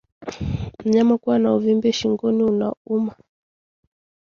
Mnyama kuwa na uvimbe shingoni unaouma